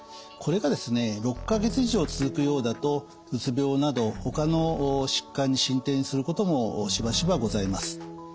これがですね６か月以上続くようだとうつ病などほかの疾患に進展することもしばしばございます。